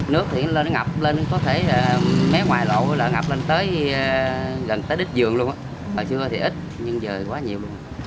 nước thì nó ngập lên có thể mé ngoài lộ là ngập lên tới gần tới đích dường luôn hồi trước thì ít nhưng giờ quá nhiều